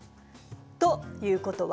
ということは？